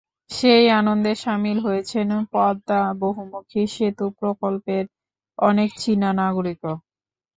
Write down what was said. সেই আনন্দে শামিল হয়েছেন পদ্মা বহুমুখী সেতু প্রকল্পের অনেক চীনা নাগরিকও।